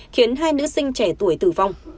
khiến hai nữ sinh trẻ tuổi tử vong